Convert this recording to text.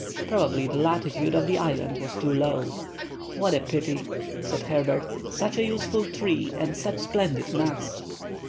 Probably the latitude of the island was too low. "What a pity!" said Herbert, "such a useful tree and such splendid nuts!"